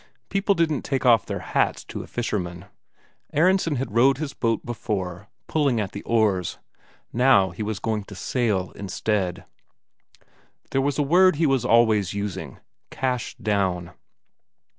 People didn't take off their hats to a fisherman. Aronsen had rowed his boat before, pulling at the oars; now he was going to sail instead. There was a word he was always using: "Cash down."